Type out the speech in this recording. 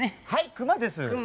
クマです。